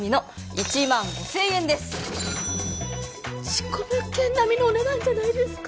事故物件なみのお値段じゃないですか！